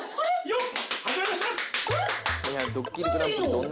よっ！